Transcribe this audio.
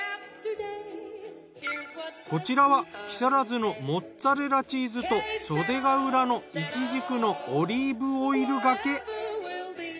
こちらは木更津のモッツァレラチーズと袖ヶ浦のいちじくのオリーブオイルがけ。